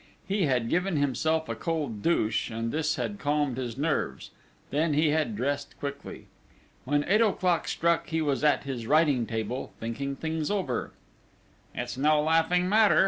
He had given himself a cold douche, and this had calmed his nerves; then he had dressed quickly. When eight o'clock struck he was at his writing table, thinking things over: "It's no laughing matter.